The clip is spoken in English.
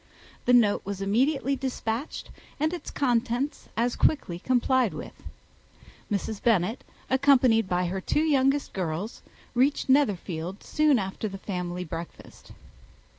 The note was immediately despatched, and its contents as quickly complied with. Mrs. Bennet, accompanied by her two youngest girls, reached Netherfield soon after the family breakfast.